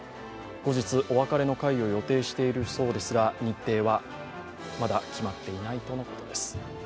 後日、お別れの会を予定しているそうですが日程はまだ決まっていないとのことです。